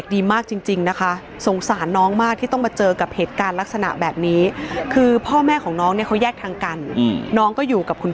ยูบอ่านอยู่ว่าอยากไปโรงเรียนอืมนี่ป่อแหม่ขับไปงานโครงเตียนอู้อืม